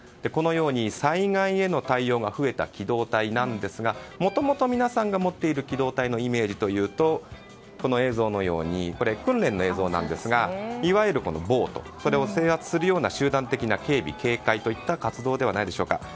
このように災害への対応が増えた機動隊なんですがもともと皆さんが持っている機動隊のイメージというとこの映像のようにこれは訓練の映像ですがいわゆる暴徒それを制圧するような集団的な警備・警戒といった活動ではないでしょうか。